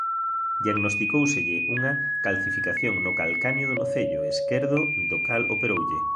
Diagnosticóuselle unha "calcificación no calcáneo do nocello" esquerdo da cal operoulle.